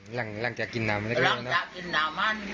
หลังจากกินน้ำมันนะครับหลังจากกินน้ำมัน